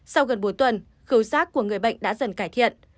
sau gần bốn tuần khiếu rác của người bệnh đã dần cải thiện